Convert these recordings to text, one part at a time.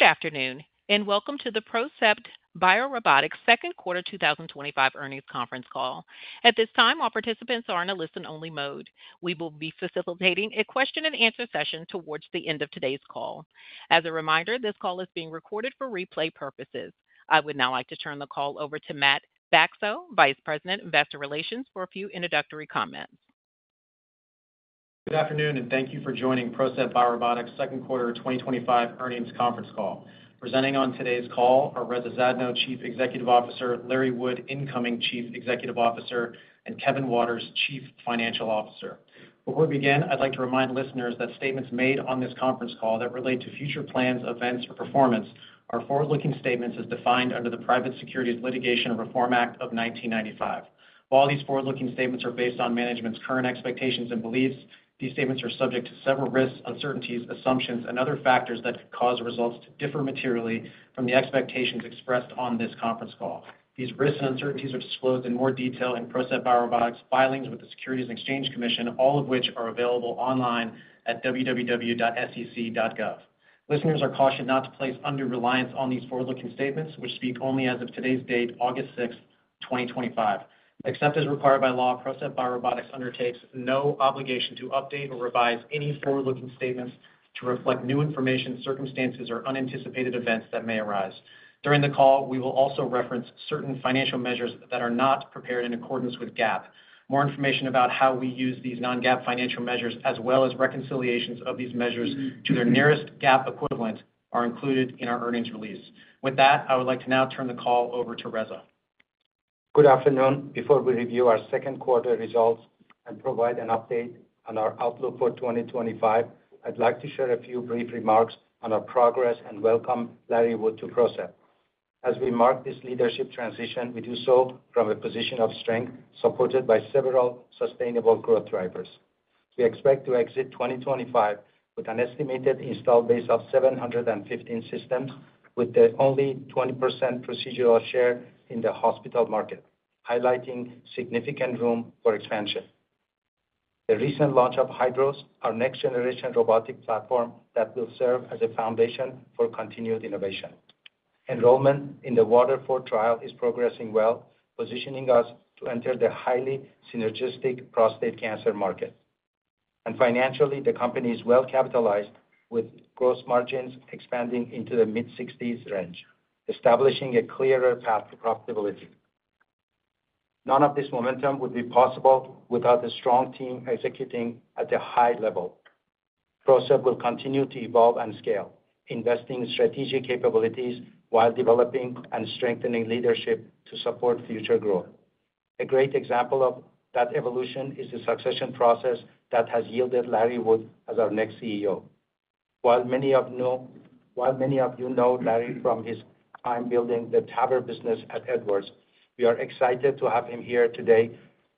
Good afternoon and welcome to the PROCEPT BioRobotics Second Quarter 2025 earnings conference call. At this time, all participants are in a listen-only mode. We will be facilitating a question-and-answer session towards the end of today's call. As a reminder, this call is being recorded for replay purposes. I would now like to turn the call over to Matt Bacso, Vice President, Investor Relations, for a few introductory comments. Good afternoon and thank you for joining PROCEPT BioRobotics Second Quarter 2025 earnings conference call. Presenting on today's call are Reza Zadno, Chief Executive Officer, Larry Wood, Incoming Chief Executive Officer, and Kevin Waters, Chief Financial Officer. Before we begin, I'd like to remind listeners that statements made on this conference call that relate to future plans, events, or performance are forward-looking statements as defined under the Private Securities Litigation Reform Act of 1995. While these forward-looking statements are based on management's current expectations and beliefs, these statements are subject to several risks, uncertainties, assumptions, and other factors that could cause results to differ materially from the expectations expressed on this conference call. These risks and uncertainties are disclosed in more detail in PROCEPT BioRobotics filings with the Securities and Exchange Commission, all of which are available online at www.sec.gov. Listeners are cautioned not to place undue reliance on these forward-looking statements, which speak only as of today's date, August 6, 2025. Except as required by law, PROCEPT BioRobotics undertakes no obligation to update or revise any forward-looking statements to reflect new information, circumstances, or unanticipated events that may arise. During the call, we will also reference certain financial measures that are not prepared in accordance with GAAP. More information about how we use these non-GAAP financial measures, as well as reconciliations of these measures to their nearest GAAP equivalent, are included in our earnings release. With that, I would like to now turn the call over to Reza. Good afternoon. Before we review our second quarter results and provide an update on our outlook for 2025, I'd like to share a few brief remarks on our progress and welcome Larry Wood to PROCEPT. As we mark this leadership transition, we do so from a position of strength, supported by several sustainable growth drivers. We expect to exit 2025 with an estimated installed base of 715 systems, with only a 20% procedural share in the hospital market, highlighting significant room for expansion. The recent launch of HYDROS, our next-generation robotic platform, will serve as a foundation for continued innovation. Enrollment in the WATERFORT trial is progressing well, positioning us to enter the highly synergistic prostate cancer market. Financially, the company is well capitalized, with gross margins expanding into the mid-60% range, establishing a clear path to profitability. None of this momentum would be possible without a strong team executing at a high level. PROCEPT will continue to evolve and scale, investing in strategic capabilities while developing and strengthening leadership to support future growth. A great example of that evolution is the succession process that has yielded Larry Wood as our next CEO. While many of you know Larry from his time building the TAVR business at Edwards, we are excited to have him here today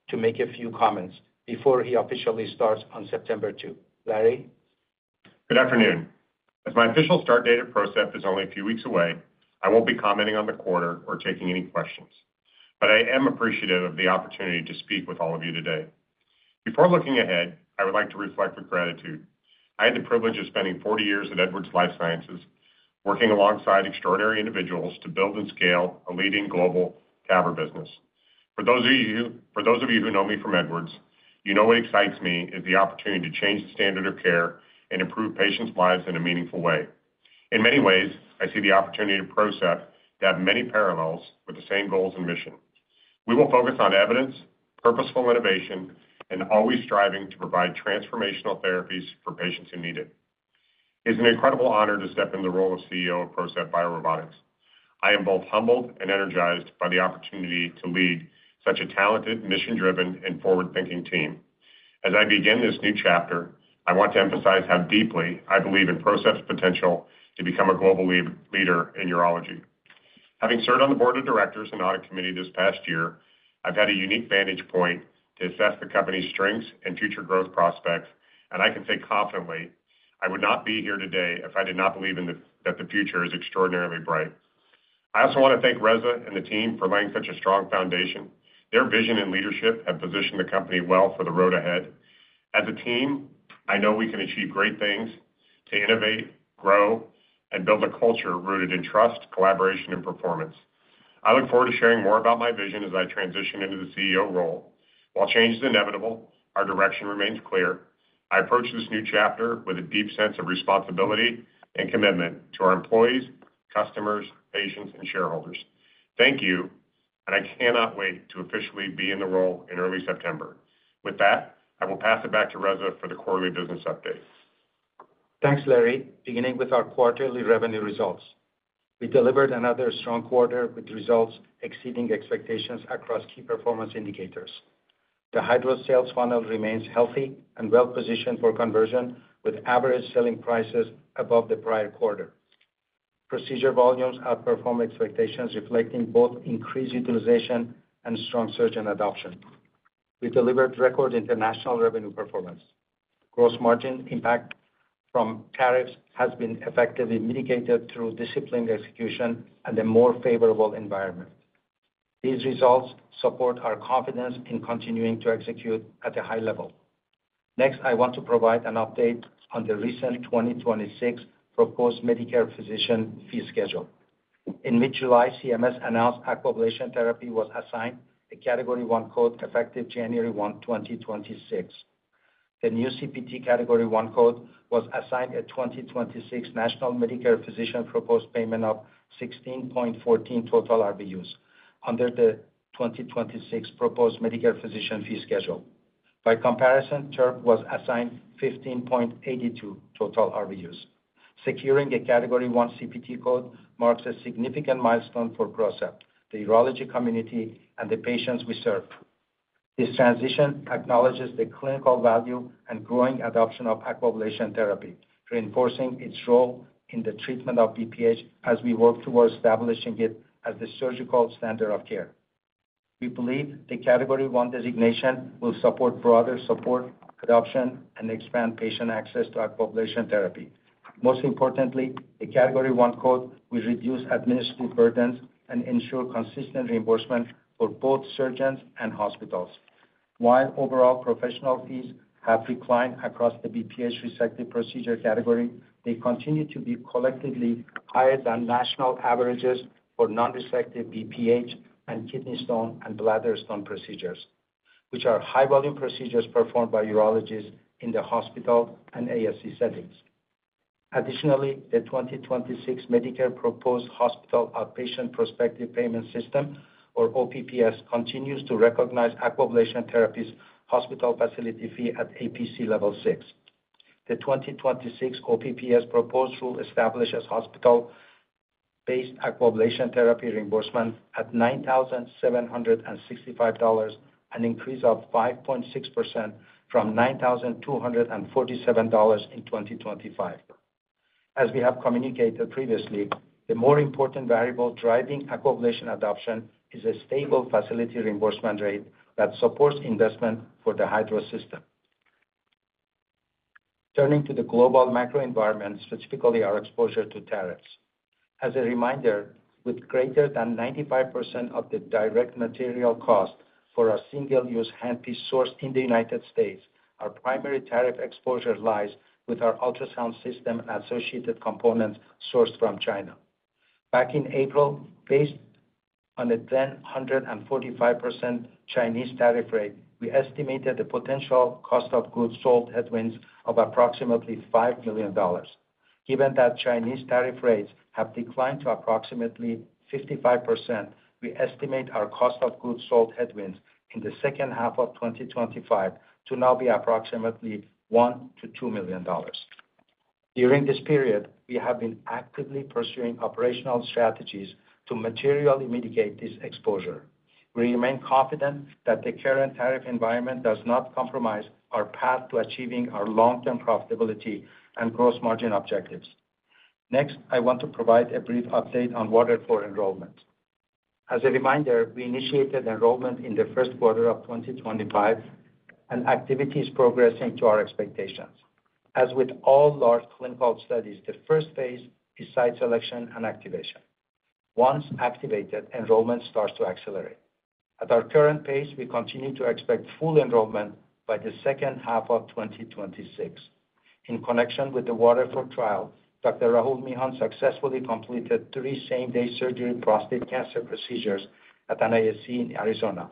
to make a few comments before he officially starts on September 2. Larry? Good afternoon. As my official start date at PROCEPT is only a few weeks away, I won't be commenting on the quarter or taking any questions. I am appreciative of the opportunity to speak with all of you today. Before looking ahead, I would like to reflect with gratitude. I had the privilege of spending 40 years at Edwards Lifesciences, working alongside extraordinary individuals to build and scale a leading global TAVR business. For those of you who know me from Edwards, you know what excites me is the opportunity to change the standard of care and improve patients' lives in a meaningful way. In many ways, I see the opportunity at PROCEPT BioRobotics to have many parallels with the same goals and mission. We will focus on evidence, purposeful innovation, and always striving to provide transformational therapies for patients who need it. It is an incredible honor to step in the role of CEO of PROCEPT BioRobotics. I am both humbled and energized by the opportunity to lead such a talented, mission-driven, and forward-thinking team. As I begin this new chapter, I want to emphasize how deeply I believe in PROCEPT potential to become a global leader in urology. Having served on the board of directors and audit committee this past year, I've had a unique vantage point to assess the company's strengths and future growth prospects, and I can say confidently I would not be here today if I did not believe that the future is extraordinarily bright. I also want to thank Reza and the team for laying such a strong foundation. Their vision and leadership have positioned the company well for the road ahead. As a team, I know we can achieve great things, to innovate, grow, and build a culture rooted in trust, collaboration, and performance. I look forward to sharing more about my vision as I transition into the CEO role. While change is inevitable, our direction remains clear. I approach this new chapter with a deep sense of responsibility and commitment to our employees, customers, patients, and shareholders. Thank you, and I cannot wait to officially be in the role in early September. With that, I will pass it back to Reza for the quarterly business update. Thanks, Larry. Beginning with our quarterly revenue results, we delivered another strong quarter with results exceeding expectations across key performance indicators. The HYDROS sales funnel remains healthy and well-positioned for conversion, with average selling prices above the prior quarter. Procedure volumes outperform expectations, reflecting both increased utilization and strong surge in adoption. We delivered record international revenue performance. Gross margin impact from tariffs has been effectively mitigated through disciplined execution and a more favorable environment. These results support our confidence in continuing to execute at a high level. Next, I want to provide an update on the recent 2026 proposed Medicare physician fee schedule. In mid-July, CMS announced that Aquablation therapy was assigned a Category 1 CPT code effective January 1, 2026. The new CPT Category 1 code was assigned a 2026 National Medicare Physician Proposed Payment of 16.14 total RVUs under the 2026 proposed Medicare physician fee schedule. By comparison, the prior term was assigned 15.82 total RVUs. Securing a Category 1 CPT code marks a significant milestone for PROCEPT, the urology community, and the patients we serve. This transition acknowledges the clinical value and growing adoption of Aquablation therapy, reinforcing its role in the treatment of BPH as we work towards establishing it as the surgical standard of care. We believe the Category 1 designation will support broader support, adoption, and expand patient access to Aquablation therapy. Most importantly, the Category 1 code will reduce administrative burdens and ensure consistent reimbursement for both surgeons and hospitals. While overall professional fees have declined across the BPH-resective procedure category, they continue to be collectively higher than national averages for non-resective BPH and kidney stone and bladder stone procedures, which are high-volume procedures performed by urologists in the hospital and ASC settings. Additionally, the 2026 Medicare Proposed Hospital Outpatient Prospective Payment System, or OPPS, continues to recognize Aquablation therapy's hospital facility fee at APC Level 6. The 2026 OPPS proposed rule establishes hospital-based Aquablation therapy reimbursement at $9,765, an increase of 5.6% from $9,247 in 2025. As we have communicated previously, the more important variable driving acquisition adoption is a stable facility reimbursement rate that supports investment for the HYDROS robotic system. Turning to the global macro-environment, specifically our exposure to tariffs. As a reminder, with greater than 95% of the direct material cost for a single-use handpiece sourced in the United States, our primary tariff exposure lies with our ultrasound system and associated components sourced from China. Back in April, based on a 10.45% Chinese tariff rate, we estimated the potential cost of goods sold headwinds of approximately $5 million. Given that Chinese tariff rates have declined to approximately 5.5%, we estimate our cost of goods sold headwinds in the second half of 2025 to now be approximately $1 million-$2 million. During this period, we have been actively pursuing operational strategies to materially mitigate this exposure. We remain confident that the current tariff environment does not compromise our path to achieving our long-term profitability and gross margin objectives. Next, I want to provide a brief update on WATERFORT enrollment. As a reminder, we initiated enrollment in the first quarter of 2025, and activity is progressing to our expectations. As with all large clinical studies, the first phase is site selection and activation. Once activated, enrollment starts to accelerate. At our current pace, we continue to expect full enrollment by the second half of 2026. In connection with the WATERFORT trial, Dr. Rahul Mehan successfully completed three same-day surgery prostate cancer procedures at NISC in Arizona.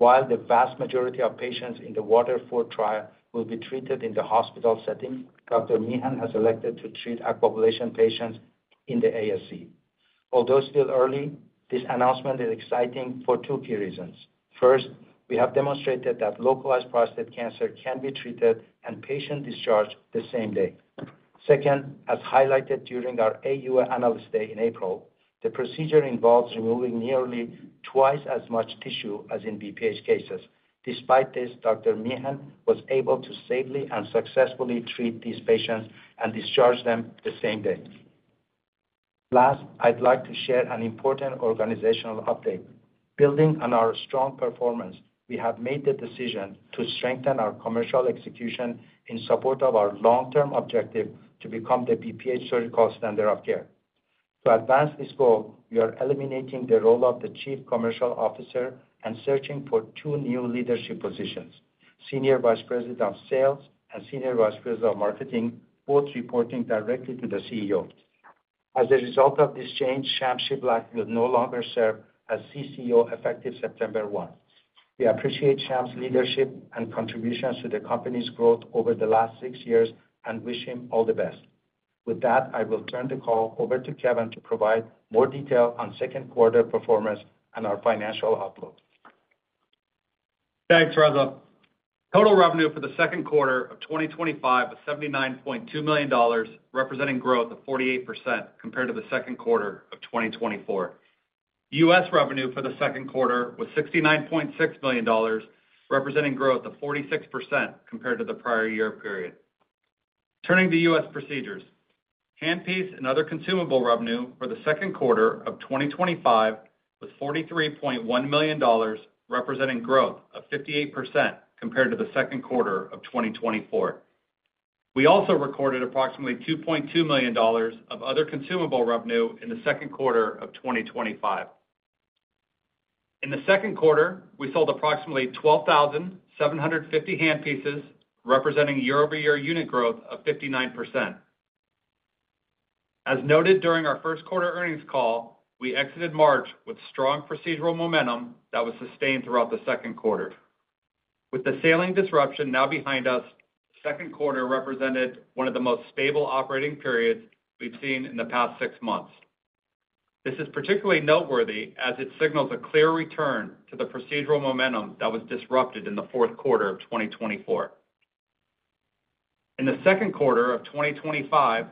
While the vast majority of patients in the WATERFORT trial will be treated in the hospital setting, Dr. Mehan has elected to treat acquisition patients in the ambulatory surgery center. Although still early, this announcement is exciting for two key reasons. First, we have demonstrated that localized prostate cancer can be treated and patient discharged the same day. Second, as highlighted during our AUA analyst day in April, the procedure involves removing nearly twice as much tissue as in benign prostatic hyperplasia cases. Despite this, Dr. Mehan was able to safely and successfully treat these patients and discharge them the same day. Last, I'd like to share an important organizational update. Building on our strong performance, we have made the decision to strengthen our commercial execution in support of our long-term objective to become the benign prostatic hyperplasia surgical standard of care. To advance this goal, we are eliminating the role of the Chief Commercial Officer and searching for two new leadership positions: Senior Vice President of Sales and Senior Vice President of Marketing, both reporting directly to the CEO. As a result of this change, Sham Shiblaq will no longer serve as CCO effective September 1. We appreciate Sham's leadership and contributions to the company's growth over the last six years and wish him all the best. With that, I will turn the call over to Kevin to provide more detail on second quarter performance and our financial outlook. Thanks, Reza. Total revenue for the second quarter of 2025 was $79.2 million, representing growth of 48% compared to the second quarter of 2024. U.S. revenue for the second quarter was $69.6 million, representing growth of 46% compared to the prior year period. Turning to U.S. procedures, handpiece and other consumable revenue for the second quarter of 2025 was $43.1 million, representing growth of 58% compared to the second quarter of 2024. We also recorded approximately $2.2 million of other consumable revenue in the second quarter of 2025. In the second quarter, we sold approximately 12,750 handpieces, representing year-over-year unit growth of 59%. As noted during our first quarter earnings call, we exited March with strong procedural momentum that was sustained throughout the second quarter. With the sale and disruption now behind us, the second quarter represented one of the most stable operating periods we've seen in the past six months. This is particularly noteworthy as it signals a clear return to the procedural momentum that was disrupted in the fourth quarter of 2024. In the second quarter of 2025,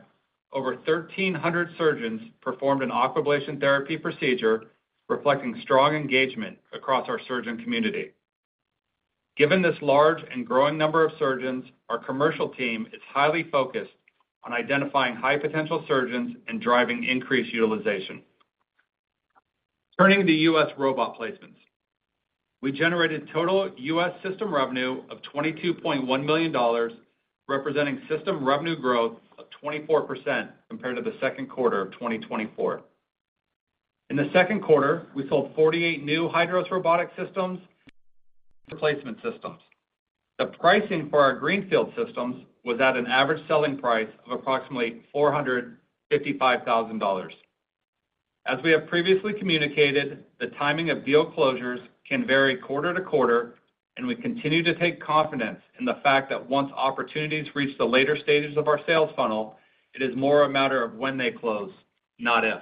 over 1,300 surgeons performed an Aquablation therapy procedure, reflecting strong engagement across our surgeon community. Given this large and growing number of surgeons, our commercial team is highly focused on identifying high-potential surgeons and driving increased utilization. Turning to the U.S. robot placements, we generated total U.S. system revenue of $22.1 million, representing system revenue growth of 24% compared to the second quarter of 2024. In the second quarter, we sold 48 new HYDROS robotic systems and replacement systems. The pricing for our Greenfield systems was at an average selling price of approximately $455,000. As we have previously communicated, the timing of deal closures can vary quarter-to-quarter, and we continue to take confidence in the fact that once opportunities reach the later stages of our sales funnel, it is more a matter of when they close, not if.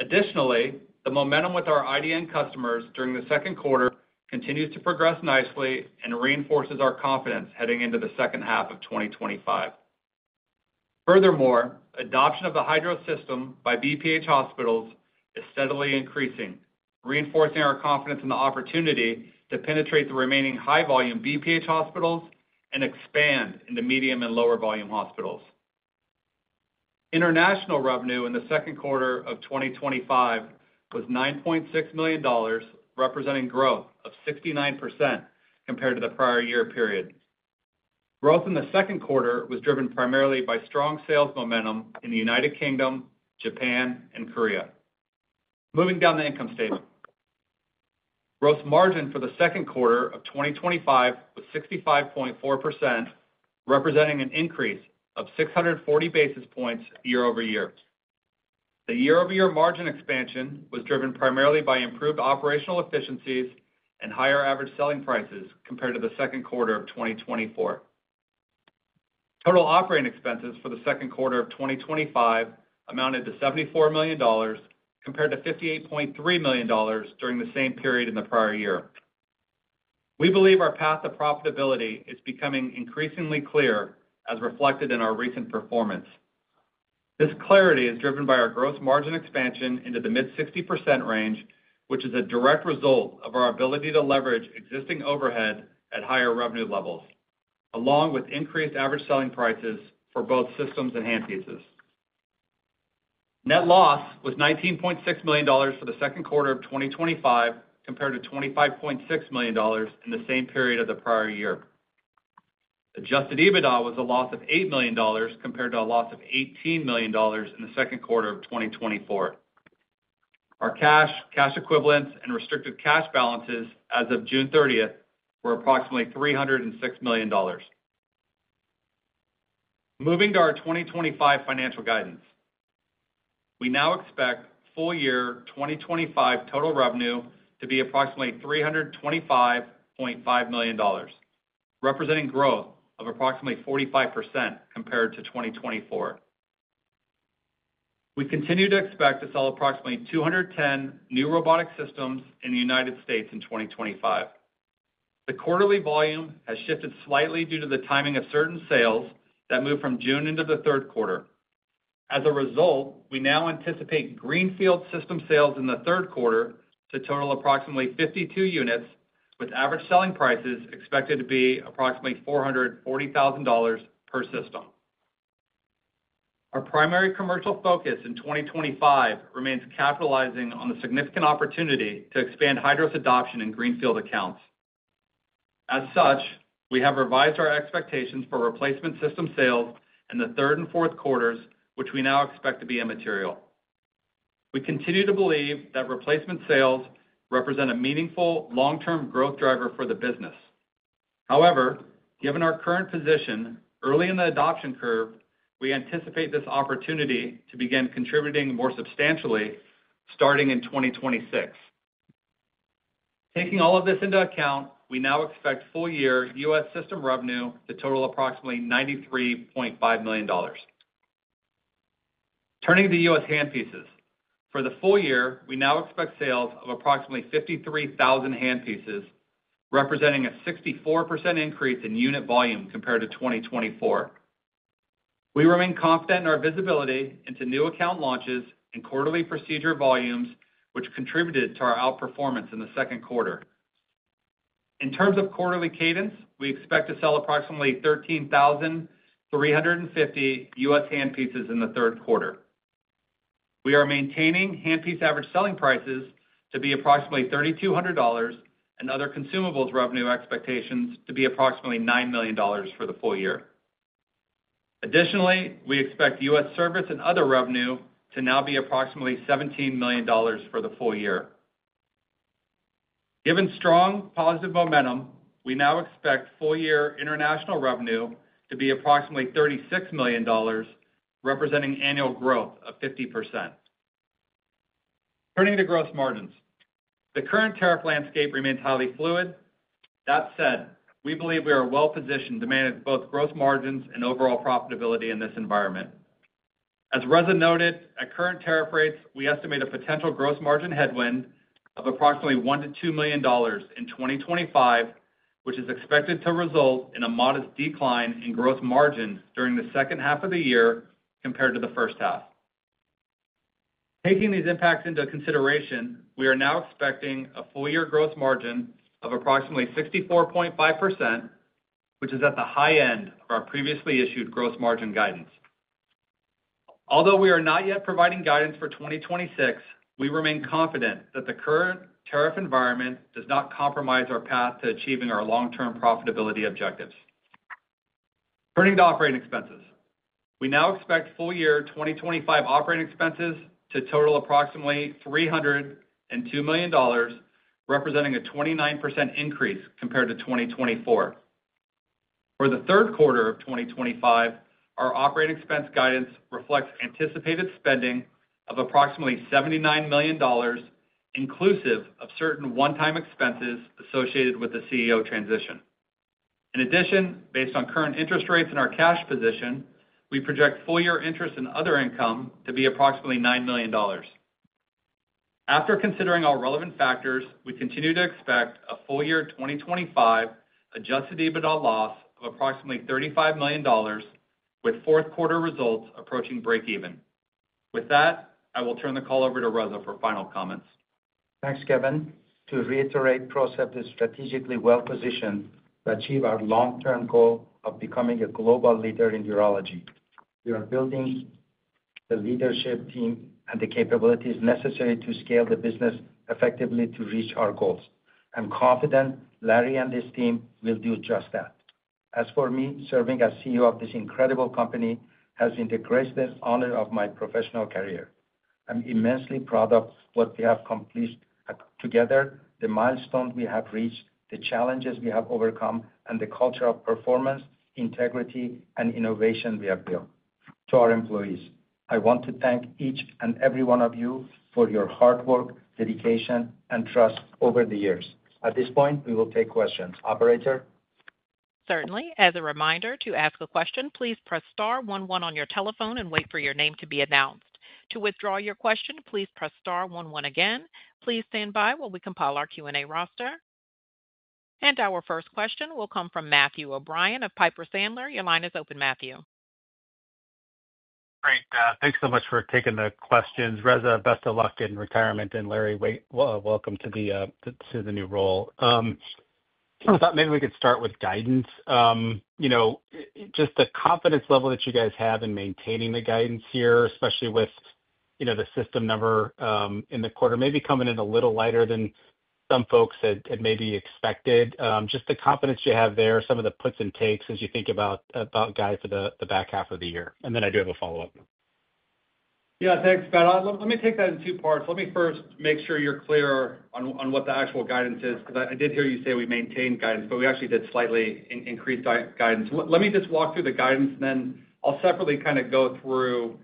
Additionally, the momentum with our IDN customers during the second quarter continues to progress nicely and reinforces our confidence heading into the second half of 2025. Furthermore, adoption of the HYDROS system by BPH hospitals is steadily increasing, reinforcing our confidence in the opportunity to penetrate the remaining high-volume BPH hospitals and expand in the medium and lower volume hospitals. International revenue in the second quarter of 2025 was $9.6 million, representing growth of 69% compared to the prior year period. Growth in the second quarter was driven primarily by strong sales momentum in the United Kingdom, Japan, and Korea. Moving down the income statement, gross margin for the second quarter of 2025 was 65.4%, representing an increase of 640 basis points year-over-year. The year-over-year margin expansion was driven primarily by improved operational efficiencies and higher average selling prices compared to the second quarter of 2024. Total operating expenses for the second quarter of 2025 amounted to $74 million compared to $58.3 million during the same period in the prior year. We believe our path to profitability is becoming increasingly clear, as reflected in our recent performance. This clarity is driven by our gross margin expansion into the mid-60% range, which is a direct result of our ability to leverage existing overhead at higher revenue levels, along with increased average selling prices for both systems and handpieces. Net loss was $19.6 million for the second quarter of 2025 compared to $25.6 million in the same period of the prior year. Adjusted EBITDA was a loss of $8 million compared to a loss of $18 million in the second quarter of 2024. Our cash, cash equivalents, and restricted cash balances as of June 30 were approximately $306 million. Moving to our 2025 financial guidance, we now expect full-year 2025 total revenue to be approximately $325.5 million, representing growth of approximately 45% compared to 2024. We continue to expect to sell approximately 210 new robotic systems in the United States in 2025. The quarterly volume has shifted slightly due to the timing of certain sales that move from June into the third quarter. As a result, we now anticipate Greenfield system sales in the third quarter to total approximately 52 units, with average selling prices expected to be approximately $440,000/system. Our primary commercial focus in 2025 remains capitalizing on the significant opportunity to expand HYDROS adoption in Greenfield accounts. As such, we have revised our expectations for replacement system sales in the third and fourth quarters, which we now expect to be immaterial. We continue to believe that replacement sales represent a meaningful long-term growth driver for the business. However, given our current position early in the adoption curve, we anticipate this opportunity to begin contributing more substantially starting in 2026. Taking all of this into account, we now expect full-year U.S. system revenue to total approximately $93.5 million. Turning to U.S. handpieces, for the full year, we now expect sales of approximately 53,000 handpieces, representing a 64% increase in unit volume compared to 2024. We remain confident in our visibility into new account launches and quarterly procedure volumes, which contributed to our outperformance in the second quarter. In terms of quarterly cadence, we expect to sell approximately 13,350 U.S. handpieces in the third quarter. We are maintaining handpiece average selling prices to be approximately $3,200 and other consumables revenue expectations to be approximately $9 million for the full year. Additionally, we expect U.S. service and other revenue to now be approximately $17 million for the full year. Given strong positive momentum, we now expect full-year international revenue to be approximately $36 million, representing annual growth of 50%. Turning to gross margins, the current tariff landscape remains highly fluid. That said, we believe we are well-positioned to manage both gross margins and overall profitability in this environment. As Reza noted, at current tariff rates, we estimate a potential gross margin headwind of approximately $1 million-$2 million in 2025, which is expected to result in a modest decline in gross margin during the second half of the year compared to the first half. Taking these impacts into consideration, we are now expecting a full-year gross margin of approximately 64.5%, which is at the high end of our previously issued gross margin guidance. Although we are not yet providing guidance for 2026, we remain confident that the current tariff environment does not compromise our path to achieving our long-term profitability objectives. Turning to operating expenses, we now expect full-year 2025 operating expenses to total approximately $302 million, representing a 29% increase compared to 2024. For the third quarter of 2025, our operating expense guidance reflects anticipated spending of approximately $79 million, inclusive of certain one-time expenses associated with the CEO transition. In addition, based on current interest rates and our cash position, we project full-year interest and other income to be approximately $9 million. After considering all relevant factors, we continue to expect a full-year 2025 adjusted EBITDA loss of approximately $35 million, with fourth quarter results approaching break-even. With that, I will turn the call over to Reza for final comments. Thanks, Kevin. To reiterate, PROCEPT BioRobotics is strategically well-positioned to achieve our long-term goal of becoming a global leader in urology. We are building the leadership team and the capabilities necessary to scale the business effectively to reach our goals. I'm confident Larry and his team will do just that. As for me, serving as CEO of this incredible company has been the greatest honor of my professional career. I'm immensely proud of what we have completed together, the milestones we have reached, the challenges we have overcome, and the culture of performance, integrity, and innovation we have built. To our employees, I want to thank each and every one of you for your hard work, dedication, and trust over the years. At this point, we will take questions. Operator? Certainly. As a reminder, to ask a question, please press star one-one on your telephone and wait for your name to be announced. To withdraw your question, please press star one-one again. Please stand by while we compile our Q&A roster. Our first question will come from Matthew O'Brien of Piper Sandler. Your line is open, Matthew. Great. Thanks so much for taking the questions. Reza, best of luck in retirement. Larry, welcome to the new role. I thought maybe we could start with guidance. Just the confidence level that you guys have in maintaining the guidance here, especially with the system number in the quarter maybe coming in a little lighter than some folks had maybe expected. Just the confidence you have there, some of the puts and takes as you think about guidance for the back half of the year. I do have a follow-up. Yeah, thanks, Matthew. Let me take that in two parts. First, let me make sure you're clear on what the actual guidance is because I did hear you say we maintained guidance, but we actually did slightly increase guidance. Let me just walk through the guidance, and then I'll separately go through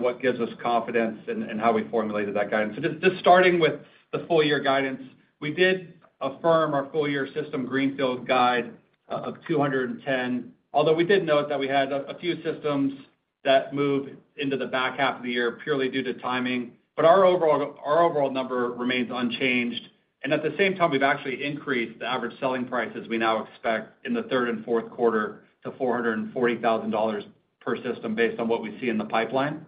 what gives us confidence and how we formulated that guidance. Just starting with the full-year guidance, we did affirm our full-year system Greenfield guide of 210, although we did note that we had a few systems that moved into the back half of the year purely due to timing. Our overall number remains unchanged. At the same time, we've actually increased the average selling prices we now expect in the third and fourth quarter to $440,000/system based on what we see in the pipeline.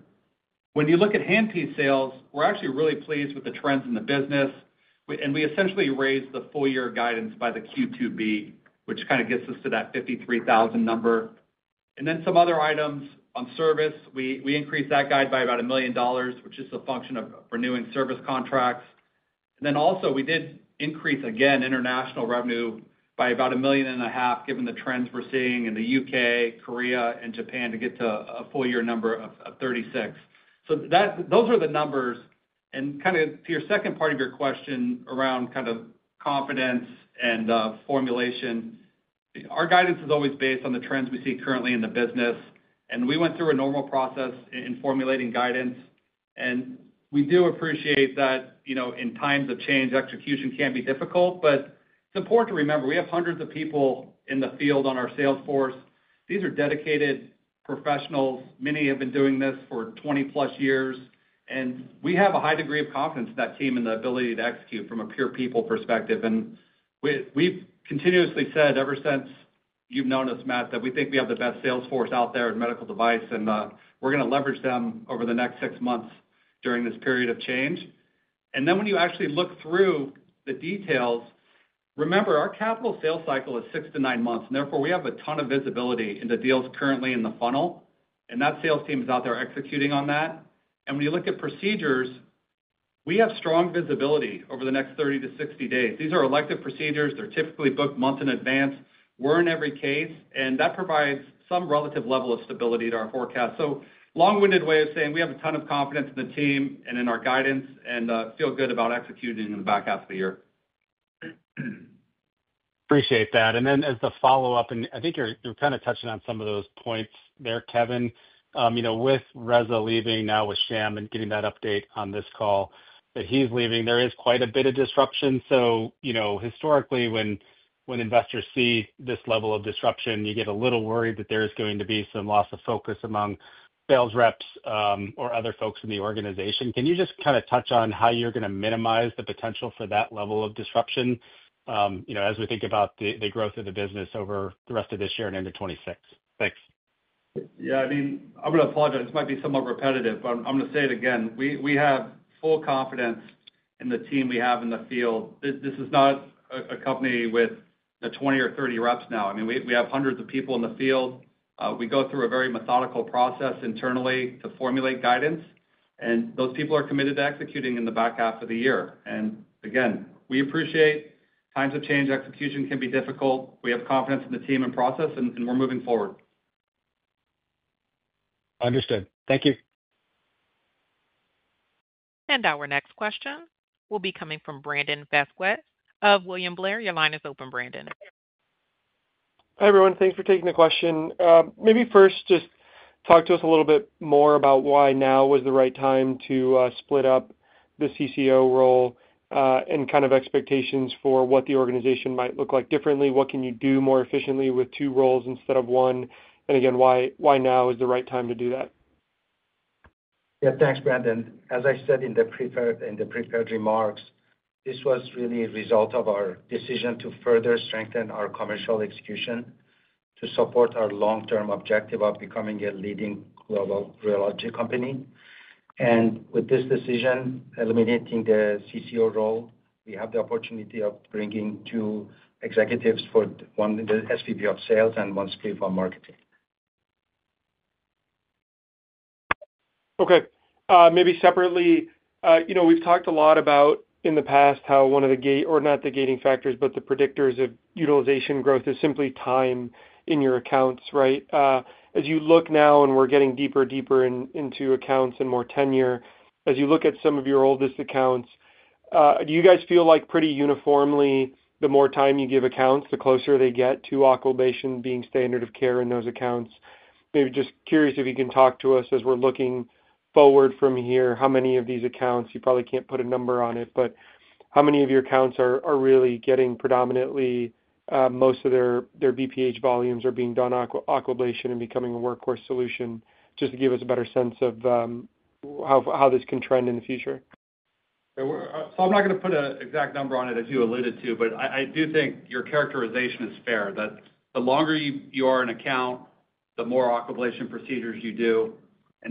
When you look at handpiece sales, we're actually really pleased with the trends in the business. We essentially raised the full-year guidance by the Q2B, which gets us to that 53,000 number. Some other items on service, we increased that guide by about $1 million, which is a function of renewing service contracts. We also increased international revenue by about $1.5 million, given the trends we're seeing in the United Kingdom, Korea, and Japan to get to a full-year number of $36 million. Those are the numbers. To your second part of your question around confidence and formulation, our guidance is always based on the trends we see currently in the business. We went through a normal process in formulating guidance. We do appreciate that in times of change, execution can be difficult. It's important to remember we have hundreds of people in the field on our sales force. These are dedicated professionals. Many have been doing this for 20+ years. We have a high degree of confidence in that team and the ability to execute from a pure people perspective. We've continuously said ever since you've known us, Matt, that we think we have the best sales force out there in medical device, and we're going to leverage them over the next six months during this period of change. When you actually look through the details, remember our capital sales cycle is 6-9 months. Therefore, we have a ton of visibility into deals currently in the funnel. That sales team is out there executing on that. When you look at procedures, we have strong visibility over the next 30 to 60 days. These are elective procedures. They're typically booked months in advance. We're in every case, and that provides some relative level of stability to our forecast. It is a long-winded way of saying we have a ton of confidence in the team and in our guidance and feel good about executing in the back half of the year. Appreciate that. As the follow-up, and I think you're kind of touching on some of those points there, Kevin, you know, with Reza leaving now with Sham and getting that update on this call that he's leaving, there is quite a bit of disruption. Historically, when investors see this level of disruption, you get a little worried that there is going to be some loss of focus among sales reps or other folks in the organization. Can you just kind of touch on how you're going to minimize the potential for that level of disruption as we think about the growth of the business over the rest of this year and into 2026? Thanks. I'm going to apologize. This might be somewhat repetitive, but I'm going to say it again. We have full confidence in the team we have in the field. This is not a company with 20 or 30 reps now. We have hundreds of people in the field. We go through a very methodical process internally to formulate guidance. Those people are committed to executing in the back half of the year. We appreciate times of change. Execution can be difficult. We have confidence in the team and process, and we're moving forward. Understood. Thank you. Our next question will be coming from Brandon Vazquez of William Blair. Your line is open, Brandon. Hi, everyone. Thanks for taking the question. Maybe first, just talk to us a little bit more about why now was the right time to split up the CCO role and kind of expectations for what the organization might look like differently. What can you do more efficiently with two roles instead of one? Again, why now is the right time to do that? Yeah, thanks, Brandon. As I said in the prepared remarks, this was really a result of our decision to further strengthen our commercial execution to support our long-term objective of becoming a leading global urology company. With this decision, eliminating the CCO role, we have the opportunity of bringing two executives for one Senior Vice President of sales and one split for marketing. Okay. Maybe separately, we've talked a lot about in the past how one of the, or not the gating factors, but the predictors of utilization growth is simply time in your accounts, right? As you look now and we're getting deeper and deeper into accounts and more tenure, as you look at some of your oldest accounts, do you guys feel like pretty uniformly the more time you give accounts, the closer they get to Aquablation therapy being standard of care in those accounts? Maybe just curious if you can talk to us as we're looking forward from here, how many of these accounts, you probably can't put a number on it, but how many of your accounts are really getting predominantly, most of their BPH volumes are being done Aquablation and becoming a workhorse solution, just to give us a better sense of how this can trend in the future? I'm not going to put an exact number on it, as you alluded to, but I do think your characterization is fair, that the longer you are an account, the more acquisition procedures you do.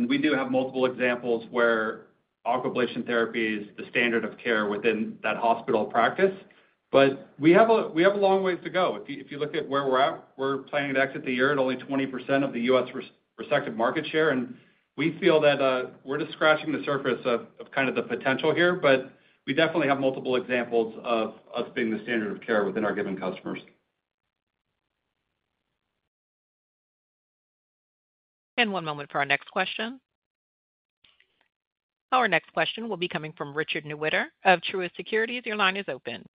We do have multiple examples where Aquablation therapy is the standard of care within that hospital practice. We have a long way to go. If you look at where we're at, we're planning to exit the year at only 20% of the U.S. respective market share. We feel that we're just scratching the surface of the potential here, but we definitely have multiple examples of us being the standard of care within our given customers. One moment for our next question. Our next question will be coming from Richard Newitter of Truist Securities. Your line is open.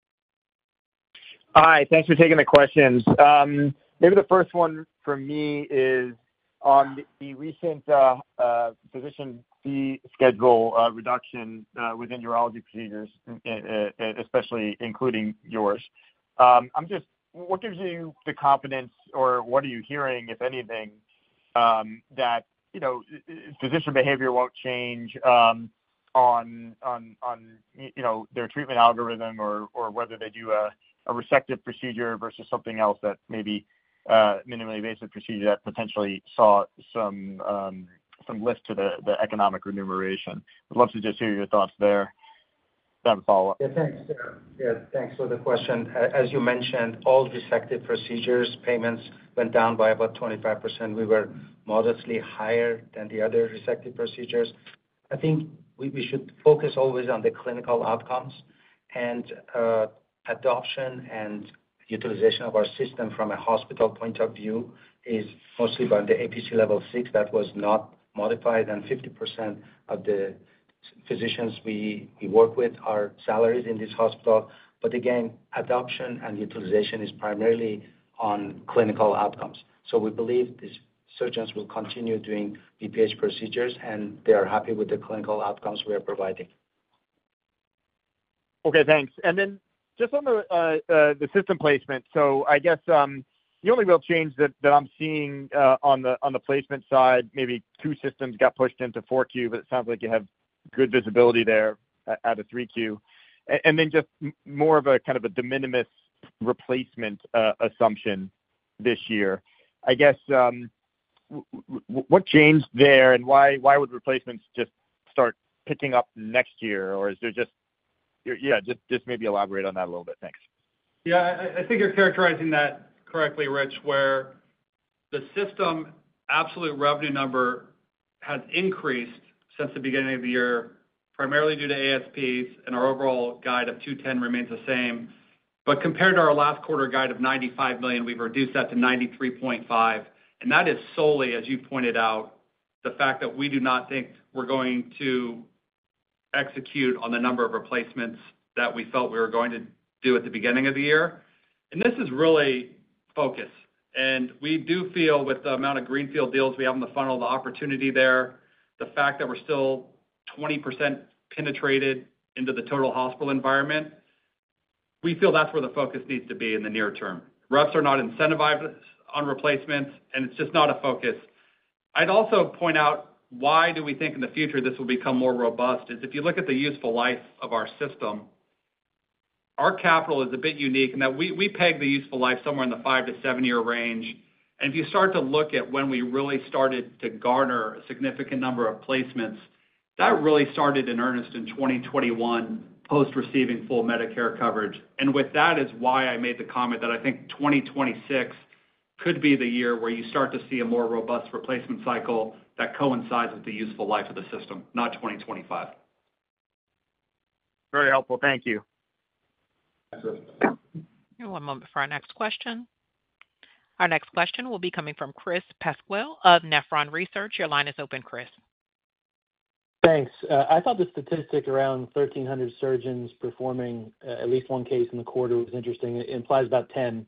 Hi, thanks for taking the questions. Maybe the first one for me is on the recent physician fee schedule reduction within urology procedures, especially including yours. What gives you the confidence or what are you hearing, if anything, that physician behavior won't change on their treatment algorithm or whether they do a resective procedure versus something else that may be a minimally invasive procedure that potentially saw some lift to the economic remuneration? I'd love to just hear your thoughts there. Do you have a follow-up? Yeah, thanks. Thanks for the question. As you mentioned, all resective procedures, payments went down by about 25%. We were modestly higher than the other resective procedures. I think we should focus always on the clinical outcomes. Adoption and utilization of our system from a hospital point of view is mostly on the APC level of six that was not modified. 50% of the physicians we work with are salaried in this hospital. Adoption and utilization is primarily on clinical outcomes. We believe these surgeons will continue doing BPH procedures, and they are happy with the clinical outcomes we are providing. Okay, thanks. Just on the system placement, I guess the only real change that I'm seeing on the placement side, maybe two systems got pushed into 4Q, but it sounds like you have good visibility there out of 3Q. Just more of a kind of a de minimis replacement assumption this year. I guess what changed there and why would replacements just start picking up next year? Maybe elaborate on that a little bit. Thanks. Yeah, I think you're characterizing that correctly, Rich, where the system absolute revenue number has increased since the beginning of the year, primarily due to ASPs, and our overall guide of $210 million remains the same. Compared to our last quarter guide of $95 million, we've reduced that to $93.5 million. That is solely, as you pointed out, the fact that we do not think we're going to execute on the number of replacements that we felt we were going to do at the beginning of the year. This is really focused. We do feel with the amount of Greenfield deals we have in the funnel, the opportunity there, the fact that we're still 20% penetrated into the total hospital environment, we feel that's where the focus needs to be in the near term. Reps are not incentivized on replacements, and it's just not a focus. I'd also point out why we think in the future this will become more robust is if you look at the useful life of our system, our capital is a bit unique in that we peg the useful life somewhere in the five to seven-year range. If you start to look at when we really started to garner a significant number of placements, that really started in earnest in 2021, post-receiving full Medicare coverage. That is why I made the comment that I think 2026 could be the year where you start to see a more robust replacement cycle that coincides with the useful life of the system, not 2025. Very helpful. Thank you. One moment for our next question. Our next question will be coming from Chris Pasquale of Nephron Research. Your line is open, Chris. Thanks. I thought the statistic around 1,300 surgeons performing at least one case in the quarter was interesting. It implies about 10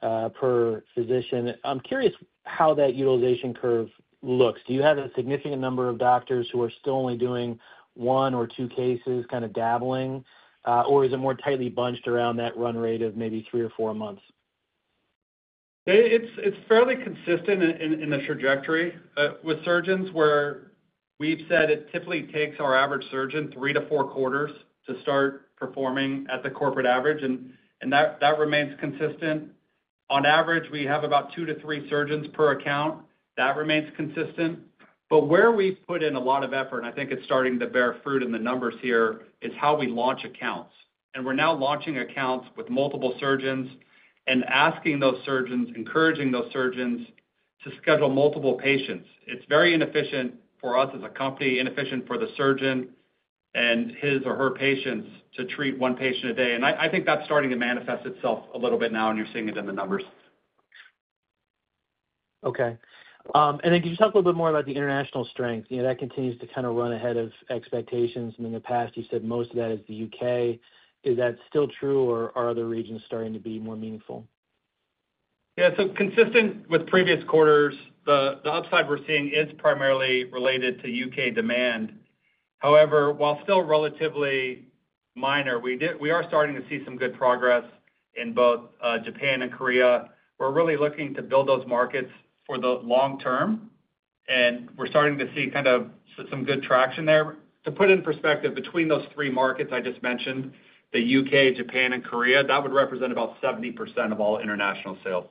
per physician. I'm curious how that utilization curve looks. Do you have a significant number of doctors who are still only doing one or two cases, kind of dabbling, or is it more tightly bunched around that run rate of maybe three or four months? It's fairly consistent in the trajectory with surgeons where we've said it typically takes our average surgeon three to four quarters to start performing at the corporate average, and that remains consistent. On average, we have about two to three surgeons per account. That remains consistent. Where we've put in a lot of effort, and I think it's starting to bear fruit in the numbers here, is how we launch accounts. We're now launching accounts with multiple surgeons and asking those surgeons, encouraging those surgeons to schedule multiple patients. It's very inefficient for us as a company, inefficient for the surgeon and his or her patients to treat one patient a day. I think that's starting to manifest itself a little bit now, and you're seeing it in the numbers. Okay. Could you talk a little bit more about the international strength? You know, that continues to kind of run ahead of expectations. In the past, you said most of that is the United Kingdom. Is that still true, or are other regions starting to be more meaningful? Yeah, so consistent with previous quarters, the upside we're seeing is primarily related to UK demand. However, while still relatively minor, we are starting to see some good progress in both Japan and Korea. We're really looking to build those markets for the long term. We're starting to see kind of some good traction there. To put it in perspective, between those three markets I just mentioned, the U.K., Japan, and Korea, that would represent about 70% of all international sales.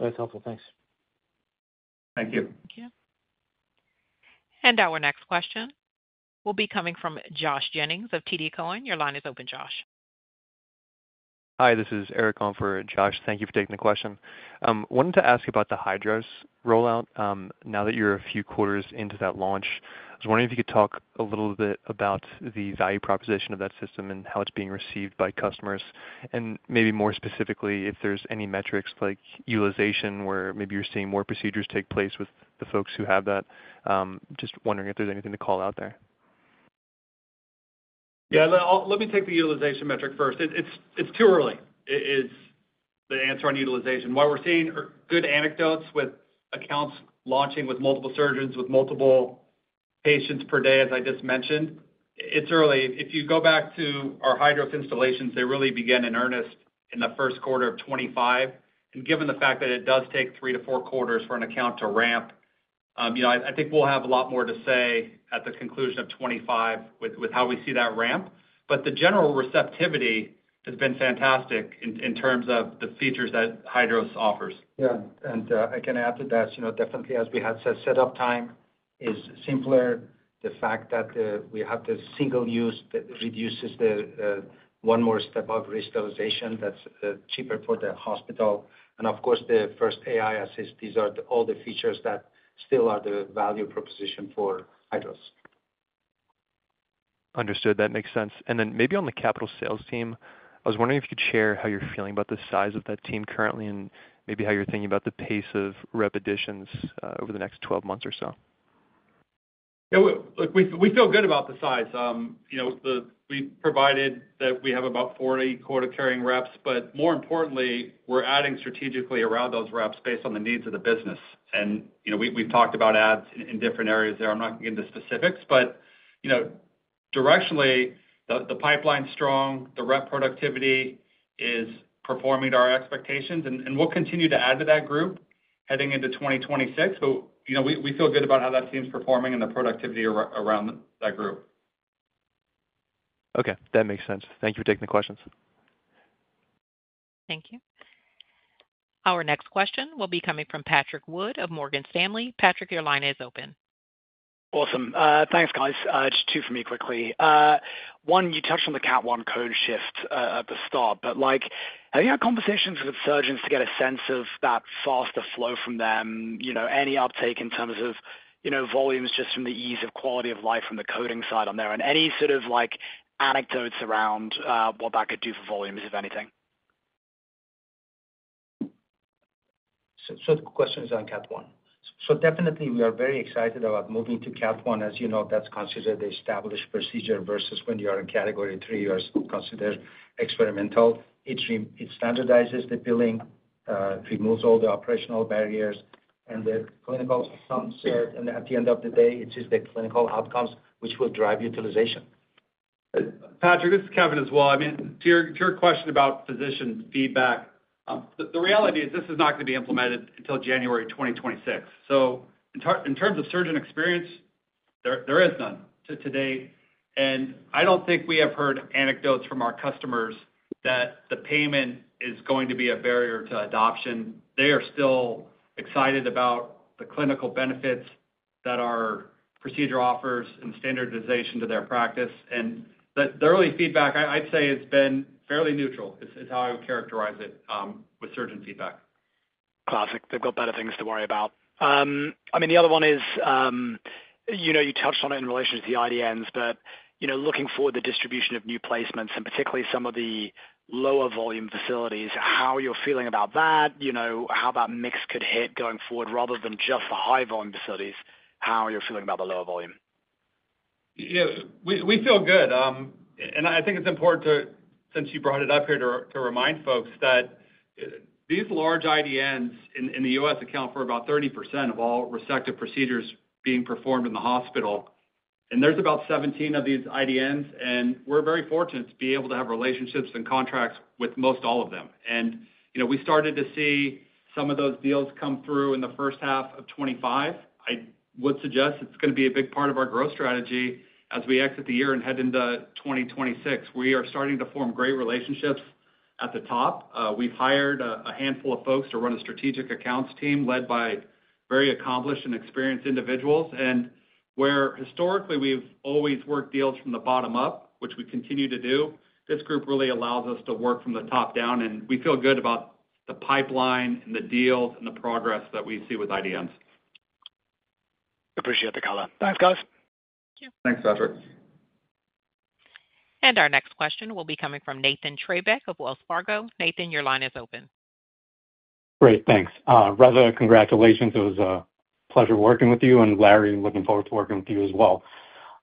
That's helpful. Thanks. Thank you. Thank you. Our next question will be coming from Josh Jennings of TD Cowen. Your line is open, Josh. Hi, this is Eric Hom for Josh. Thank you for taking the question. I wanted to ask you about the HYDROS robotic system rollout. Now that you're a few quarters into that launch, I was wondering if you could talk a little bit about the value proposition of that system and how it's being received by customers. Maybe more specifically, if there's any metrics like utilization where maybe you're seeing more procedures take place with the folks who have that. Just wondering if there's anything to call out there. Yeah, let me take the utilization metric first. It's too early. It's the answer on utilization. What we're seeing are good anecdotes with accounts launching with multiple surgeons, with multiple patients per day, as I just mentioned. It's early. If you go back to our HYDROS installations, they really began in earnest in the first quarter of 2025. Given the fact that it does take three to four quarters for an account to ramp, I think we'll have a lot more to say at the conclusion of 2025 with how we see that ramp. The general receptivity has been fantastic in terms of the features that HYDROS offers. Yeah, and I can add to that, you know, definitely as we have said, setup time is simpler. The fact that we have the single use that reduces the one more step of restoration that's cheaper for the hospital. Of course, the first AI assist, these are all the features that still are the value proposition for HYDROS robotic system. Understood. That makes sense. Maybe on the capital sales team, I was wondering if you could share how you're feeling about the size of that team currently and how you're thinking about the pace of repetitions over the next 12 months or so. Yeah, look, we feel good about the size. We've provided that we have about 40 quarter-carrying reps, but more importantly, we're adding strategically around those reps based on the needs of the business. We've talked about ads in different areas there. I'm not going to get into specifics, but directionally, the pipeline is strong. The rep productivity is performing to our expectations. We'll continue to add to that group heading into 2026. We feel good about how that team's performing and the productivity around that group. Okay, that makes sense. Thank you for taking the questions. Thank you. Our next question will be coming from Patrick Wood of Morgan Stanley. Patrick, your line is open. Awesome. Thanks, guys. Just two for me quickly. One, you touched on the Category 1 CPT code shift at the start, but like, have you had conversations with surgeons to get a sense of that faster flow from them? You know, any uptake in terms of, you know, volumes just from the ease of quality of life from the coding side on their end? Any sort of anecdotes around what that could do for volumes, if anything? The question is on Category 1. We are very excited about moving to Category 1. As you know, that's considered the established procedure versus when you are in Category 3, you are considered experimental. It standardizes the billing, removes all the operational barriers and the clinical, and at the end of the day, it is the clinical outcomes which will drive utilization. Patrick, this is Kevin as well. To your question about physician feedback, the reality is this is not going to be implemented until January 2026. In terms of surgeon experience, there is none today. I don't think we have heard anecdotes from our customers that the payment is going to be a barrier to adoption. They are still excited about the clinical benefits that our procedure offers and the standardization to their practice. The early feedback, I'd say it's been fairly neutral. It's how I would characterize it with surgeon feedback. Classic. They've got better things to worry about. I mean, the other one is, you touched on it in relation to the IDNs, but looking forward to the distribution of new placements and particularly some of the lower volume facilities, how are you feeling about that? How that mix could hit going forward rather than just the high volume facilities? How are you feeling about the lower volume? Yeah, we feel good. I think it's important to, since you brought it up here, to remind folks that these large IDNs in the U.S. account for about 30% of all resective procedures being performed in the hospital. There's about 17 of these IDNs, and we're very fortunate to be able to have relationships and contracts with most all of them. We started to see some of those deals come through in the first half of 2025. I would suggest it's going to be a big part of our growth strategy as we exit the year and head into 2026. We are starting to form great relationships at the top. We've hired a handful of folks to run a strategic accounts team led by very accomplished and experienced individuals. Where historically we've always worked deals from the bottom up, which we continue to do, this group really allows us to work from the top down. We feel good about the pipeline and the deals and the progress that we see with IDNs. Appreciate the color. Thanks, guys. Thanks, Patrick. Our next question will be coming from Nathan Treybeck of Wells Fargo. Nathan, your line is open. Great, thanks. Reza, congratulations. It was a pleasure working with you and Larry. I'm looking forward to working with you as well.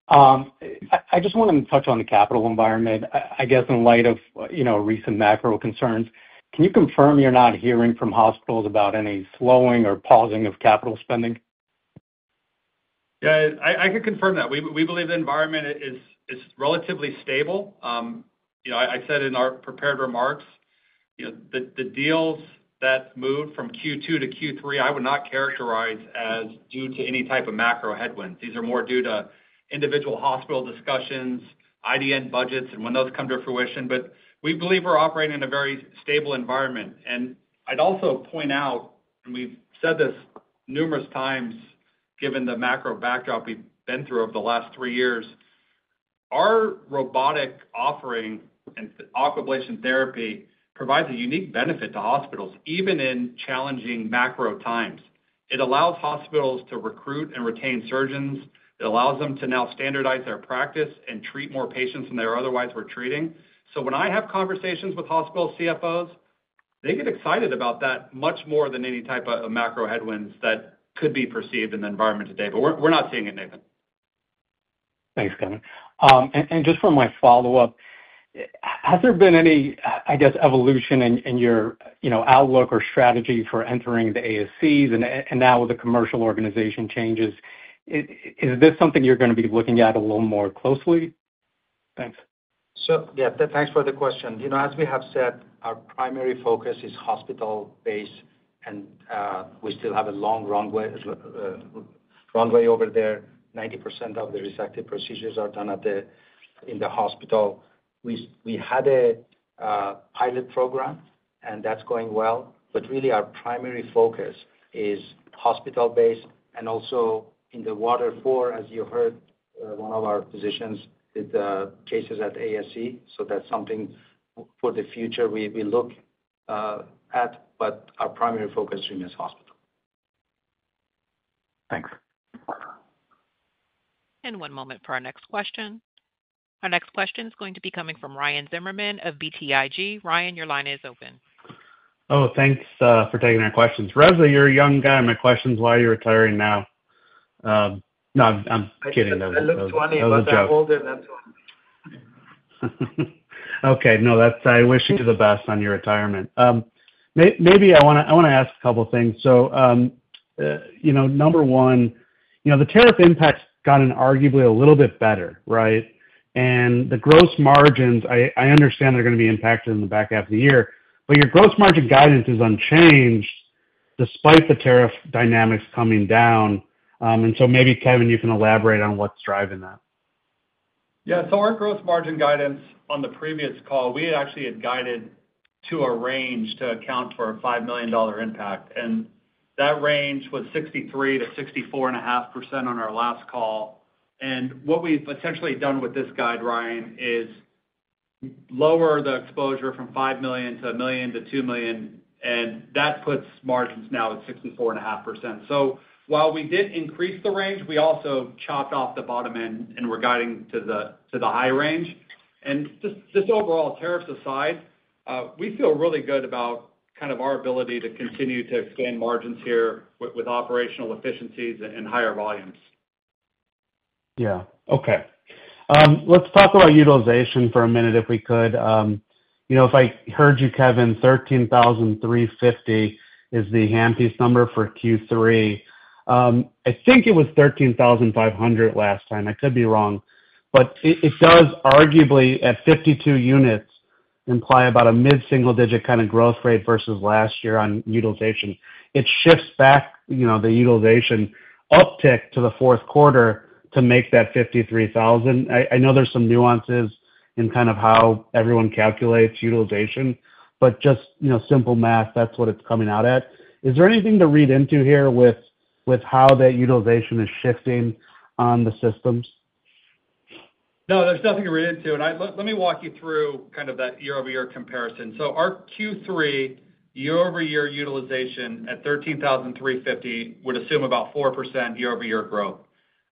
I just wanted to touch on the capital environment. I guess in light of recent macro concerns, can you confirm you're not hearing from hospitals about any slowing or pausing of capital spending? Yeah, I could confirm that. We believe the environment is relatively stable. I said in our prepared remarks, the deals that moved from Q2 to Q3, I would not characterize as due to any type of macro-headwind. These are more due to individual hospital discussions, IDN budgets, and when those come to fruition. We believe we're operating in a very stable environment. I'd also point out, and we've said this numerous times, given the macro-backdrop we've been through over the last three years, our robotic offering and Aquablation therapy provides a unique benefit to hospitals, even in challenging macro-times. It allows hospitals to recruit and retain surgeons. It allows them to now standardize their practice and treat more patients than they otherwise were treating. When I have conversations with hospital CFOs, they get excited about that much more than any type of macro headwinds that could be perceived in the environment today. We're not seeing it, Nathan. Thanks, Kevin. Just for my follow-up, has there been any, I guess, evolution in your outlook or strategy for entering the ASCs and now with the commercial organization changes? Is this something you're going to be looking at a little more closely? Thanks. Thank you for the question. As we have said, our primary focus is hospital-based, and we still have a long runway over there. 90% of the resective procedures are done in the hospital. We had a pilot program, and that's going well. Our primary focus is hospital-based and also in the waterfall. As you've heard, one of our physicians did cases at an ambulatory surgery center. That's something for the future we look at, but our primary focus is hospital. Thanks. One moment for our next question. Our next question is going to be coming from Ryan Zimmerman of BTIG. Ryan, your line is open. Oh, thanks for taking our questions. Reza, you're a young guy. My question is, why are you retiring now? No, I'm kidding. I think it's funny about the older than 20. Okay, I wish you the best on your retirement. Maybe I want to ask a couple of things. Number one, the tariff impacts got arguably a little bit better, right? The gross margins, I understand they're going to be impacted in the back half of the year, but your gross margin guidance is unchanged despite the tariff dynamics coming down. Maybe, Kevin, you can elaborate on what's driving that. Yeah, so our gross margin guidance on the previous call, we actually had guided to a range to account for a $5 million impact. That range was 63%-64.5% on our last call. What we've essentially done with this guide, Ryan, is lower the exposure from $5 million-$1 million- $2 million. That puts margins now at 64.5%. While we did increase the range, we also chopped off the bottom end and we're guiding to the high range. Overall, tariffs aside, we feel really good about kind of our ability to continue to expand margins here with operational efficiencies and higher volumes. Yeah, okay. Let's talk about utilization for a minute if we could. You know, if I heard you, Kevin, 13,350 is the handpiece number for Q3. I think it was 13,500 last time. I could be wrong. It does arguably, at 52 units, imply about a mid-single-digit kind of growth rate versus last year on utilization. It shifts back, you know, the utilization uptick to the fourth quarter to make that 53,000. I know there's some nuances in kind of how everyone calculates utilization, but just, you know, simple math, that's what it's coming out at. Is there anything to read into here with how that utilization is shifting on the systems? No, there's nothing to read into. Let me walk you through kind of that year-over-year comparison. Our Q3 year-over-year utilization at 13,350 would assume about 4% year-over-year growth.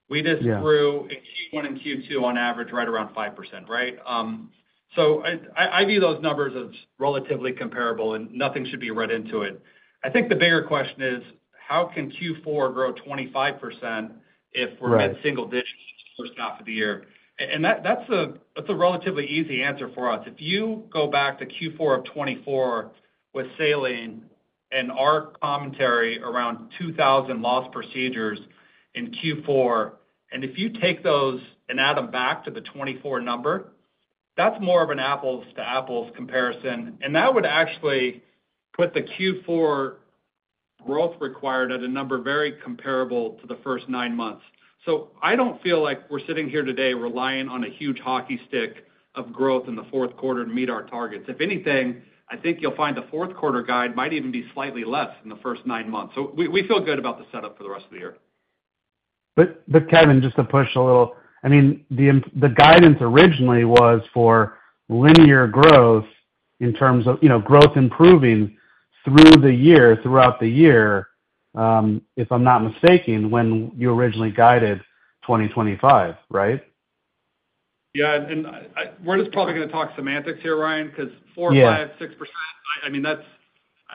We just grew one in Q2 on average right around 5%, right? I view those numbers as relatively comparable and nothing should be read into it. I think the bigger question is, how can Q4 grow 25% if we're at single digits for the year? That's a relatively easy answer for us. If you go back to Q4 of 2024 with saline and our commentary around 2,000 lost procedures in Q4, and if you take those and add them back to the 2024 number, that's more of an apples-to-apples comparison. That would actually put the Q4 growth required at a number very comparable to the first nine months. I don't feel like we're sitting here today relying on a huge hockey stick of growth in the fourth quarter to meet our targets. If anything, I think you'll find the fourth quarter guide might even be slightly less in the first nine months. We feel good about the setup for the rest of the year. Kevin, just to push a little, I mean, the guidance originally was for linear growth in terms of, you know, growth improving through the year, throughout the year, if I'm not mistaken, when you originally guided 2025, right? Yeah, and we're just probably going to talk semantics here, Ryan, because 4%, 5%, 6%, I mean, that's,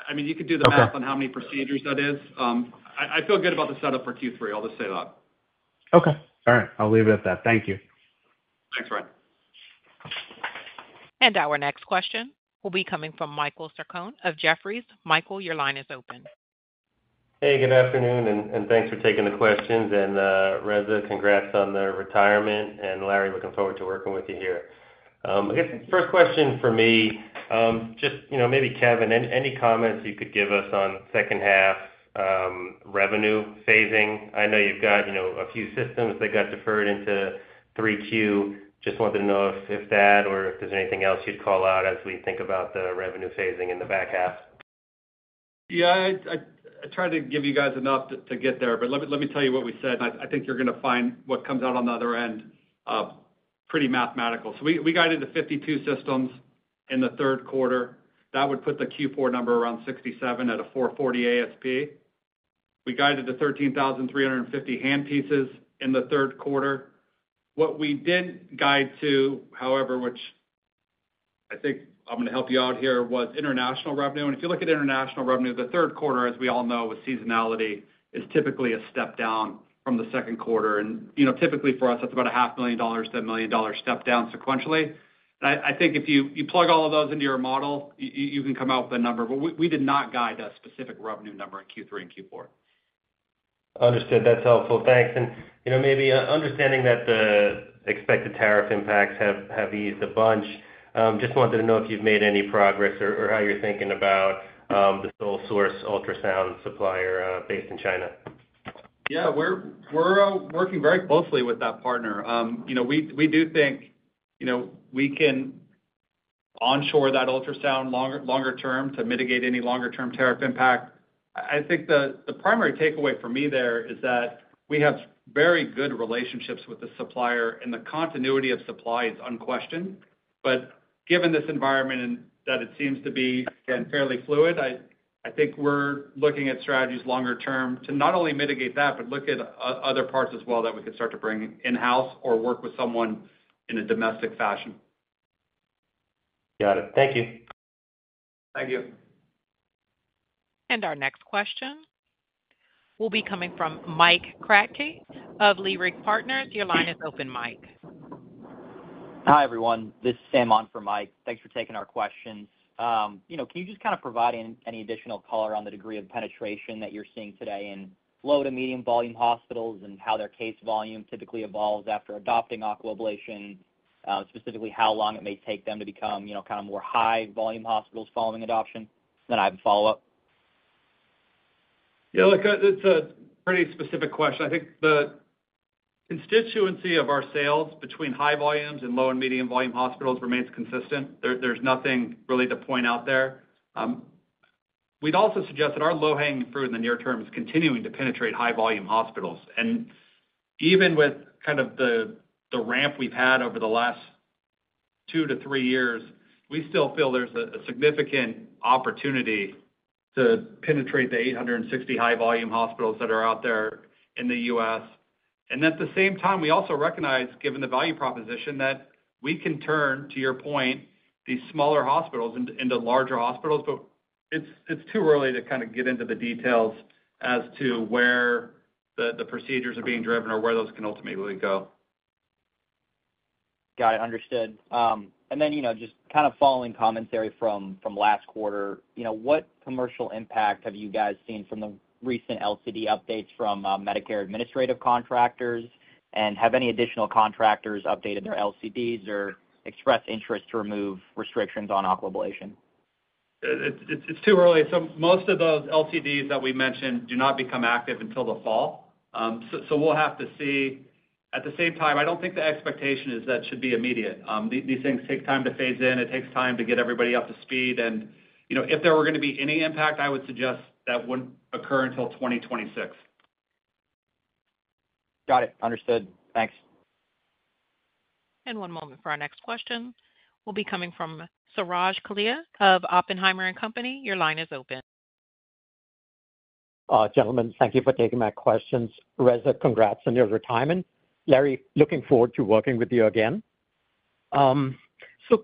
I mean, you could do the math on how many procedures that is. I feel good about the setup for Q3. I'll just say that. Okay. All right. I'll leave it at that. Thank you. Thanks, Ryan. Our next question will be coming from Michael Sarcone of Jefferies. Michael, your line is open. Hey, good afternoon, and thanks for taking the questions. Reza, congrats on the retirement. Larry, looking forward to working with you here. I guess the first question for me, maybe Kevin, any comments you could give us on second half revenue phasing? I know you've got a few systems that got deferred into 3Q. I just wanted to know if that or if there's anything else you'd call out as we think about the revenue phasing in the back half? Yeah, I tried to give you guys enough to get there, but let me tell you what we said. I think you're going to find what comes out on the other end pretty mathematical. We guided the 52 systems in the third quarter. That would put the Q4 number around 67 at a $440,000 ASP. We guided the 13,350 handpieces in the third quarter. What we didn't guide to, however, which I think I'm going to help you out here, was international revenue. If you look at international revenue, the third quarter, as we all know, with seasonality, is typically a step down from the second quarter. Typically for us, that's about a half million dollars, $1 million step down sequentially. I think if you plug all of those into your model, you can come out with a number. We did not guide that specific revenue number in Q3 and Q4. Understood. That's helpful. Thanks. Maybe understanding that the expected tariff impacts have eased a bunch, just wanted to know if you've made any progress or how you're thinking about the sole source ultrasound supplier based in China? Yeah, we're working very closely with that partner. We do think we can onshore that ultrasound longer term to mitigate any longer term tariff impact. I think the primary takeaway for me there is that we have very good relationships with the supplier, and the continuity of supply is unquestioned. Given this environment and that it seems to be, again, fairly fluid, I think we're looking at strategies longer term to not only mitigate that, but look at other parts as well that we could start to bring in-house or work with someone in a domestic fashion. Got it. Thank you. Thank you. Our next question will be coming from Mike Kratky of Leerink Partners. Your line is open, Mike. Hi everyone. This is Sam on for Mike. Thanks for taking our question. Can you just kind of provide any additional color on the degree of penetration that you're seeing today in low to medium volume hospitals and how their case volume typically evolves after adopting Aquablation, specifically how long it may take them to become kind of more high volume hospitals following adoption? I have a follow-up. Yeah, that's a pretty specific question. I think the constituency of our sales between high volume and low and medium volume hospitals remains consistent. There's nothing really to point out there. We'd also suggest that our low-hanging fruit in the near term is continuing to penetrate high volume hospitals. Even with the ramp we've had over the last 2-3 years, we still feel there's a significant opportunity to penetrate the 860 high volume hospitals that are out there in the U.S. At the same time, we also recognize, given the value proposition, that we can turn, to your point, these smaller hospitals into larger hospitals, but it's too early to get into the details as to where the procedures are being driven or where those can ultimately go. Got it. Understood. Just kind of following commentary from last quarter, what commercial impact have you guys seen from the recent LCD updates from Medicare administrative contractors? Have any additional contractors updated their LCDs or expressed interest to remove restrictions on Aquablation? It's too early. Most of those LCDs that we mentioned do not become active until the fall. We'll have to see. At the same time, I don't think the expectation is that it should be immediate. These things take time to phase in. It takes time to get everybody up to speed. If there were going to be any impact, I would suggest that wouldn't occur until 2026. Got it. Understood. Thanks. One moment for our next question. We'll be coming from Suraj Kalia of Oppenheimer &Co. Your line is open. Gentlemen, thank you for taking my questions. Reza, congrats on your retirement. Larry, looking forward to working with you again.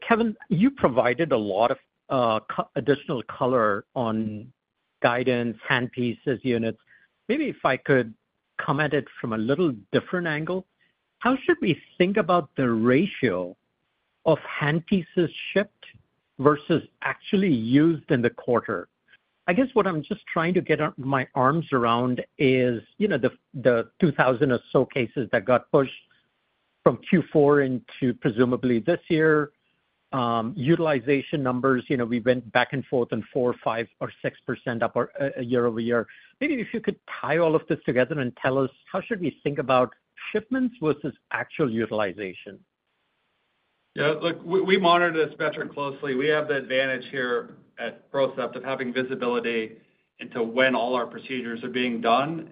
Kevin, you provided a lot of additional color on guidance, handpieces, units. Maybe if I could comment it from a little different angle, how should we think about the ratio of handpieces shipped versus actually used in the quarter? I guess what I'm just trying to get my arms around is, you know, the 2,000 or so cases that got pushed from Q4 into presumably this year, utilization numbers, you know, we went back and forth in 4%, 5%, or 6% up year-over-year. Maybe if you could tie all of this together and tell us how should we think about shipments vs actual utilization? Yeah, look, we monitor this metric closely. We have the advantage here at PROCEPT of having visibility into when all our procedures are being done.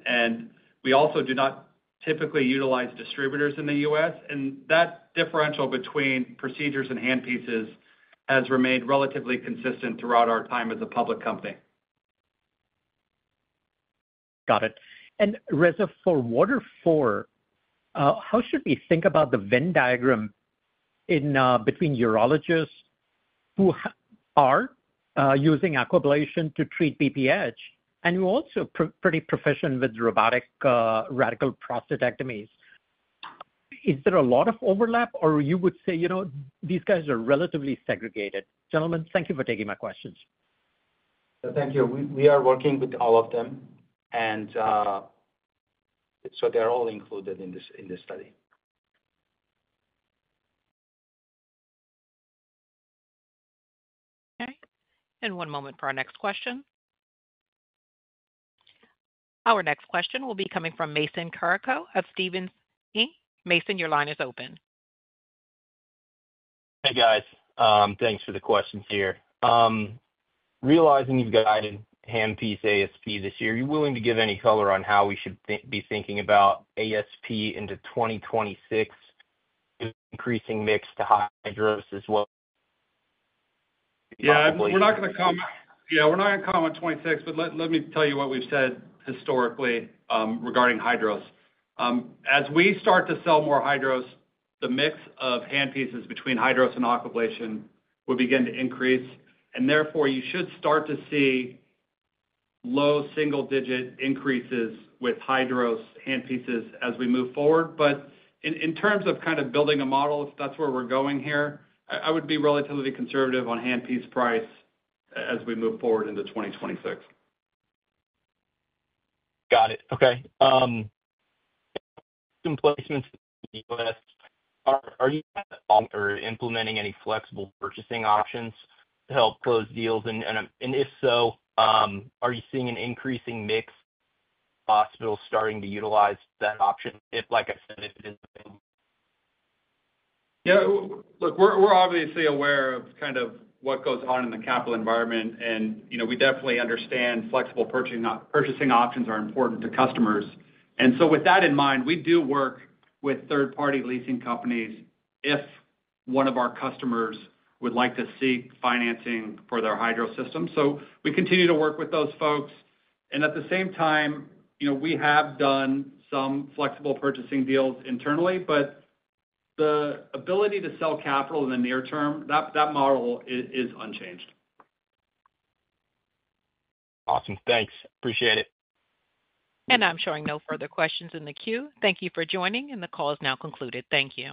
We also do not typically utilize distributors in the U.S., and that differential between procedures and handpieces has remained relatively consistent throughout our time as a public company. Got it. Reza, for WATERFORT, how should we think about the Venn diagram between urologists who are using Aquablation to treat BPH and who are also pretty proficient with robotic radical prostatectomies? Is there a lot of overlap, or would you say these guys are relatively segregated? Gentlemen, thank you for taking my questions. Thank you. We are working with all of them, so they're all included in this study. Okay. One moment for our next question. Our next question will be coming from Mason Caricco of Stephens Inc. Mason, your line is open. Hey, guys. Thanks for the questions here. Realizing you've guided handpiece ASP this year, are you willing to give any color on how we should be thinking about ASP into 2026, increasing mix to HYDROS as well? Yeah, we're not going to comment on 2026, but let me tell you what we've said historically regarding HYDROS. As we start to sell more HYDROS, the mix of handpieces between HYDROS and Aquablation will begin to increase. Therefore, you should start to see low single-digit increases with HYDROS handpieces as we move forward. In terms of kind of building a model, if that's where we're going here, I would be relatively conservative on handpiece price as we move forward into 2026. Got it. Okay. Some placements in the U.S. Are you implementing any flexible purchasing options to help close deals? If so, are you seeing an increasing mix of hospitals starting to utilize that option if, like I said, it is available? Yeah, look, we're obviously aware of kind of what goes on in the capital environment. We definitely understand flexible purchasing options are important to customers. With that in mind, we do work with third-party leasing companies if one of our customers would like to seek financing for their HYDROS robotic system. We continue to work with those folks. At the same time, we have done some flexible purchasing deals internally, but the ability to sell capital in the near term, that model is unchanged. Awesome. Thanks. Appreciate it. I'm showing no further questions in the queue. Thank you for joining, and the call is now concluded. Thank you.